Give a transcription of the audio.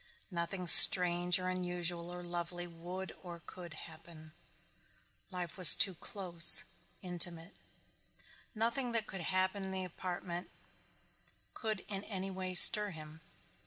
Nothing strange or unusual or lovely would or could happen. Life was too close, intimate. Nothing that could happen in the apartment could in any way stir him.